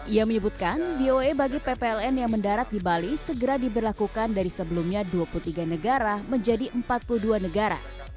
ia menyebutkan voe bagi ppln yang mendarat di bali segera diberlakukan dari sebelumnya dua puluh tiga negara menjadi empat puluh dua negara